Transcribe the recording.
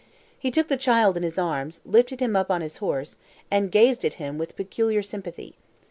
He took the child in his arms, lifted him up on his horse, and gazed at him with peculiar sympathy.